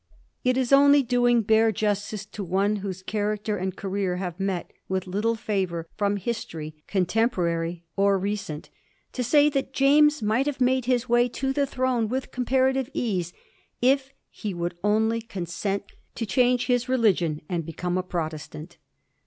It is only doing bare justice to one whose character and career have met with little favour from history, contemporary or recent, to say that James might have made his way to the throne with com parative ease if he would only consent to change his religion and become a Protestant.